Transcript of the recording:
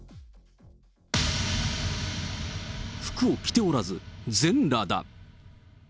服を着ておらず、全裸だ。